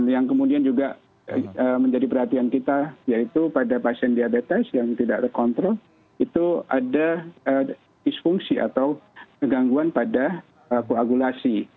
yang kemudian juga menjadi perhatian kita yaitu pada pasien diabetes yang tidak terkontrol itu ada isfungsi atau kegangguan pada koagulasi